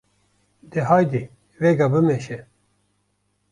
De haydê vêga bimeşe!’’